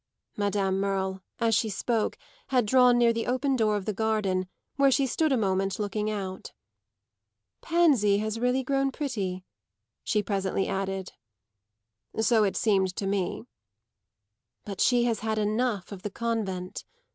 Madame Merle, as she spoke, had drawn near the open door of the garden, where she stood a moment looking out. "Pansy has really grown pretty," she presently added. "So it seemed to me." "But she has had enough of the convent."